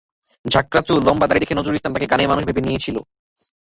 ঝাঁকড়া চুল, লম্বা দাড়ি দেখে নজরুল ইসলাম তাঁকে গানের মানুষ ভেবে নিয়েছিলেন।